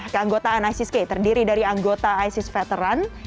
keanggotaan isis k terdiri dari anggota isis veteran